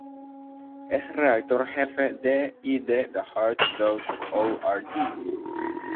Es redactor jefe de y de "theheart.org".